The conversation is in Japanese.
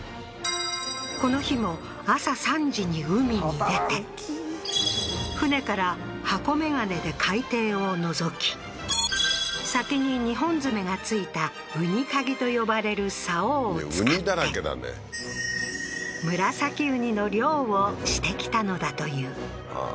この日も朝３時に海に出て船から箱メガネで海底をのぞき先に二本爪が付いた雲丹鉤と呼ばれる竿を使って紫雲丹の漁をしてきたのだというあ